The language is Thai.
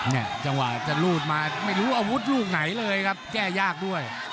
จังหวะจะรูดมาไม่รู้อาวุธลูกไหนเลยครับแก้ยากด้วย